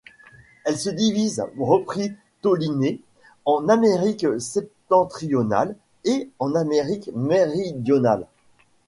Elle se divise, reprit Toliné, en Amérique septentrionale et en Amérique méridionale.